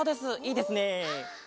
いいですね！